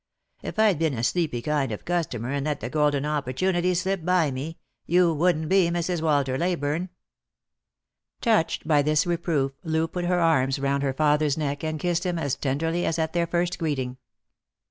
If I'd been a sleepy kind of a customer, and let the golden oppor tunity slip by me, you wouldn't be Mrs. Walter Leyburne." Touched by this reproof, Loo put her arms round her father's neck, and kissed him as tenderly as at their first greeting.